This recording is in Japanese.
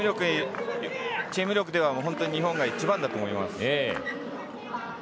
チーム力では本当日本が一番だと思います。